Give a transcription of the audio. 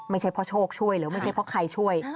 ไม่ใช่เพราะโชคช่วยหรือไม่ใช่เพราะใครช่วย